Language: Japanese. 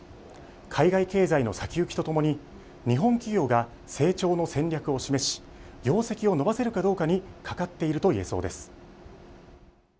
海外経済の先行きとともに日本企業が成長の戦略を示し業績を伸ばせるかどうかにかかっているといえそうです。